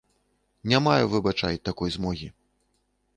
Не маю, выбачай, такой змогі.